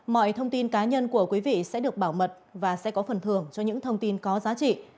mọi thông tin cá nhân của quý vị sẽ được bảo mật và sẽ có phần thưởng cho những thông tin có giá trị